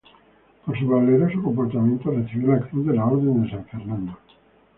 Por su valeroso comportamiento, recibió la cruz de la Orden de San Fernando.